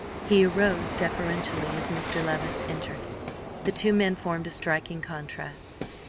He arose deferentially as Mr. Levice entered. The two men formed a striking contrast.